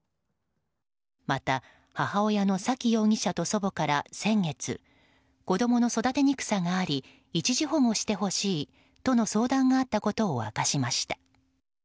また、母親の沙喜容疑者と祖母から先月子供の育てにくさがあり一時保護してほしいとの相談があったことを明かしました。